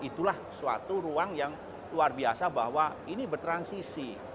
itulah suatu ruang yang luar biasa bahwa ini bertransisi